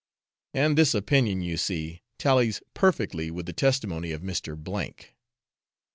And this opinion, you see, tallies perfectly with the testimony of Mr. K